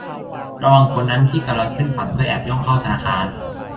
ระวังคนนั้นที่กำลังขึ้นฝั่งเพื่อแอบย่องเข้าธนาคาร